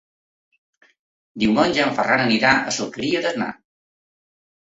Diumenge en Ferran anirà a l'Alqueria d'Asnar.